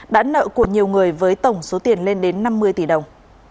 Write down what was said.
đã nợ của nhiều người với tổng số tiền lên đến năm mươi tỷ đồng